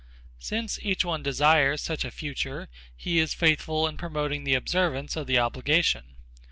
Since each one desires such a future he is faithful in promoting the observance of the obligation.